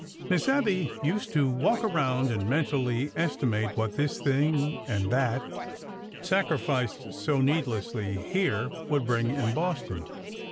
Miss Abby used to walk around and mentally estimate what this thing and that — sacrificed so needlessly here — would bring in Boston.